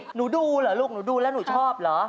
หนูดูเหรอลูกหนูดูแล้วหนูชอบเหรอ